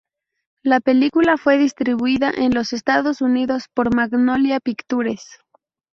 La película fue distribuida en los Estados Unidos por Magnolia Pictures.